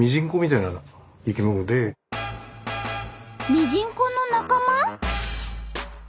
ミジンコの仲間？